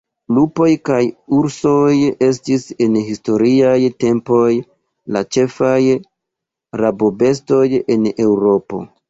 Lupoj kaj ursoj estis en historiaj tempoj la ĉefaj rabobestoj en Eŭropo.